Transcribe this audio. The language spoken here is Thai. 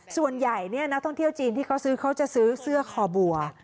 ส่วนใหญ่นักท่องเที่ยวจีนที่เขาซื้อเขาจะซื้อเสื้อคอบัว